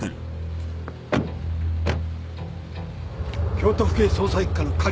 ・京都府警捜査一課の狩矢です。